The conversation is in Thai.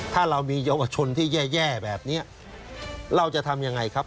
ถ้าเรามีเยาวชนที่แย่แบบนี้เราจะทำยังไงครับ